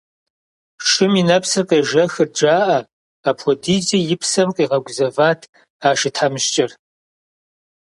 Шым и нэпсыр къежэхырт жаӏэ, апхуэдизкӏэ и псэм къигъэгузэват а шы тхьэмыщкӏэр.